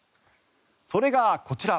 それがこちら。